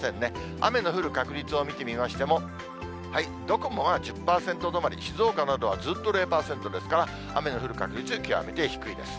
雨の降る確率を見てみましても、どこも１０％止まり、静岡などはずっと０％ですが、雨の降る確率、極めて低いです。